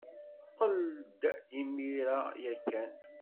Qqel-d imir-a ya kan.